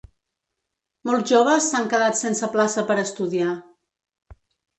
Molts joves s’han quedat sense plaça per a estudiar.